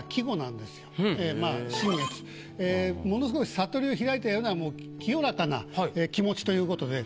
「心月」ものすごい悟りを開いたような清らかな気持ちということで。